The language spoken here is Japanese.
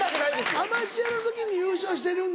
アマチュアの時に優勝してるんだ？